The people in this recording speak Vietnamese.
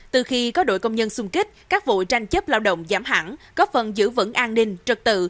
từ khi có đội công nhân xung kích các vụ tranh chấp lao động giảm hẳn góp phần giữ vững an ninh trật tự